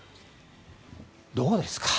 どうですか？